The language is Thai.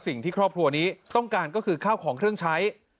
สิ่งที่ครอบครัวนี้ต้องการก็คือข้าวของเครื่องใช้